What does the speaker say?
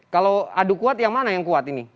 kalau adu kuat yang mana yang kuat ini